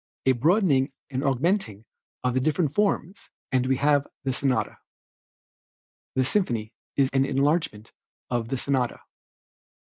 A broadening and augmenting of the different forms and we have the sonata. The symphony is an enlargement of the sonata.